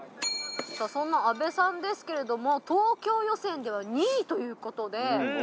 そんな阿部さんですけれども東京予選では２位ということで。